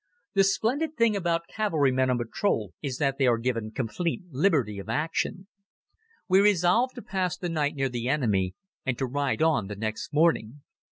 The splendid thing about cavalrymen on patrol is that they are given complete liberty of action. We resolved to pass the night near the enemy and to ride on the next morning.